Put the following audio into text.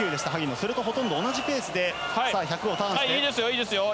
それとほとんど同じペースで１００をターン。